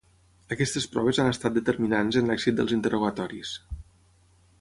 Aquestes proves han estat determinants en l'èxit dels interrogatoris.